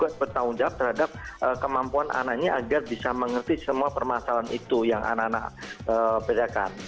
harus bertanggung jawab terhadap kemampuan anaknya agar bisa mengerti semua permasalahan itu yang anak anak bedakan